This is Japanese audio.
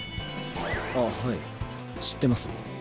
あっはい知ってます。